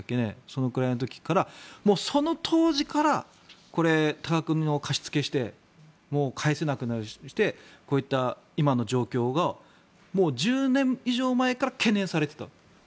そのくらいの時からその当時からこれ、多額の貸し付けをしてもう返せなくして今の状況が１０年以上前から懸念されていた。